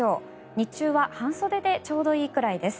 日中は半袖でちょうどいいくらいです。